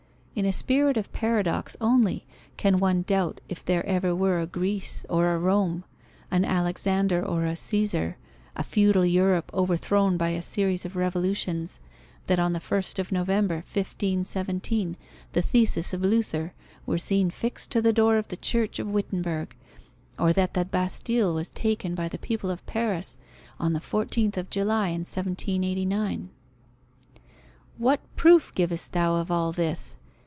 In a spirit of paradox only, can one doubt if there ever were a Greece or a Rome, an Alexander or a Caesar, a feudal Europe overthrown by a series of revolutions, that on the 1st of November 1517 the theses of Luther were seen fixed to the door of the church of Wittenberg, or that the Bastile was taken by the people of Paris on the 14th of July 1789. "What proof givest thou of all this?"